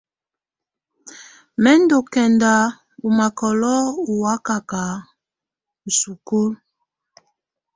Mɛ̀ ndù kɛnda ɔ̀ makɔlɔ ù wakaka i sukulu.